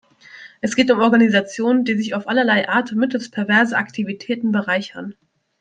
Es geht um Organisationen, die sich auf allerlei Art mittels perverser Aktivitäten bereichern.